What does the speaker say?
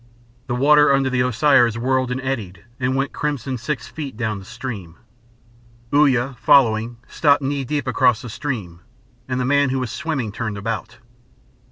The water under the osiers whirled and eddied and went crimson six feet down the stream. Uya following stopped knee high across the stream, and the man who was swimming turned about.